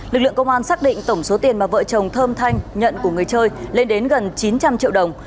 lực lượng công an xác định tổng số tiền mà vợ chồng thơm thanh nhận của người chơi lên đến gần chín trăm linh triệu đồng